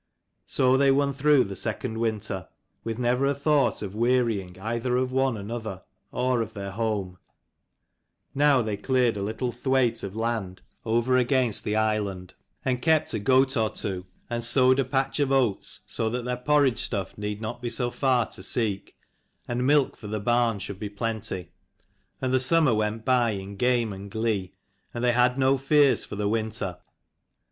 So they won through the second winter, with never a thought of wearying either of one another or of their home. Now they cleared a little thwaite of land over against the 268 4Wf x) S Vi\? Sfc^\ ATK OT/iTo>i N ^" v filtoBi x Sm.v R&infcaeh on the island, and kept a goat or two, and sowed a patch of oats, so that their porridge stuff need not be so far to seek, and milk for the barn should be plenty. And the summer went by in game and glee, and they had no fears for the winter.